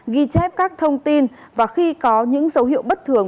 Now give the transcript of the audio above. ghi chép các thông tin và khi có những dấu hiệu bất thường